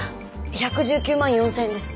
１，１９４，０００円です。